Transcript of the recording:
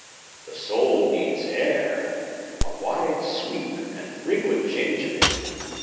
The soul needs air; a wide sweep and frequent change of it.